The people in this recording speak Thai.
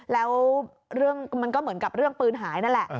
แล้วเรื่องมันก็เหมือนกับเรื่องปืนหายนั่นแหละ